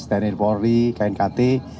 tni polri knkt